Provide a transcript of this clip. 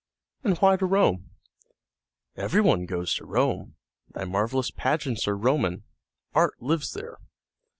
"And why to Rome?" "Every one goes to Rome; thy marvelous pageants are Roman; art lives there."